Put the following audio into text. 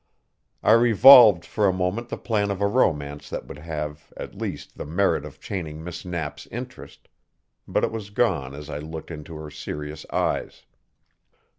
I revolved for a moment the plan of a romance that would have, at least, the merit of chaining Miss Knapp's interest. But it was gone as I looked into her serious eyes.